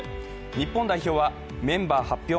日本代表はメンバー発表